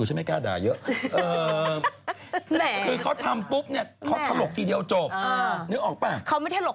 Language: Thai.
ทำอะไรมาก